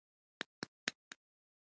کیدای شي د ټوپک ستن حرکت ونه کړي